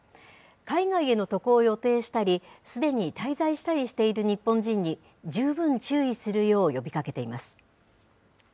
海外への渡航を予定したり、すでに滞在したりしている日本人に十分注意するよう呼びかけています。